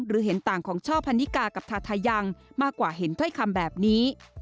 เห็นต่างของช่อพันนิกากับทาทายังมากกว่าเห็นถ้อยคำแบบนี้